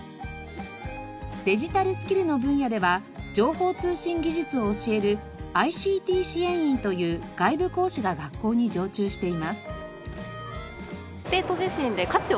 デジタルスキルの分野では情報通信技術を教えるＩＣＴ支援員という外部講師が学校に常駐しています。